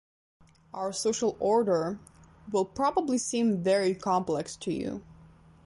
Our social order will probably seem very complex to you.